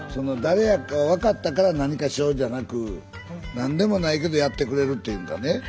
誰やかわかったから何かしようじゃなくなんでもないけどやってくれるっていうんがね。